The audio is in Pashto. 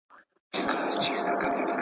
یو ګیدړ کښته له مځکي ورکتله.